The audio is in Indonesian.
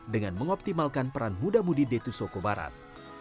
dengan mengoptimalkan peran muda mudi de tussoko barat